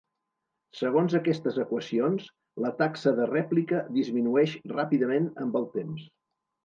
Segons aquestes equacions, la taxa de rèplica disminueix ràpidament amb el temps.